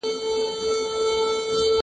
ليکنې وکړه؟!